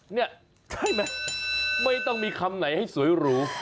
นี่ใช่ไหมไม่ต้องมีคำไหนให้สวยหรู